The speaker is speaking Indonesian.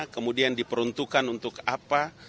kemudian diperuntukkan untuk apa